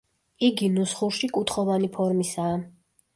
იგი ნუსხურში კუთხოვანი ფორმისაა.